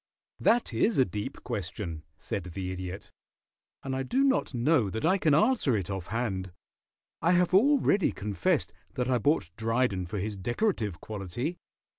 "That is a deep question," said the Idiot, "and I do not know that I can answer it off hand. I have already confessed that I bought Dryden for his decorative quality.